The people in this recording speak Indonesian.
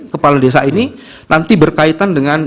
kepala desa ini nanti berkaitan dengan